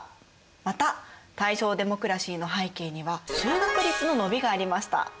また大正デモクラシーの背景には就学率の伸びがありました。